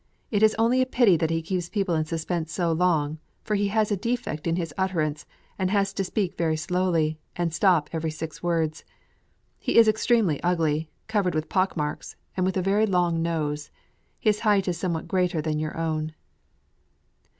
It is only a pity that he keeps people in suspense so long, for he has a defect in his utterance, and has to speak very slowly, and stop every six words. He is extremely ugly, covered with pockmarks, and with a very long nose. His height is somewhat greater than your own.